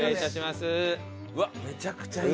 うわっめちゃくちゃいい！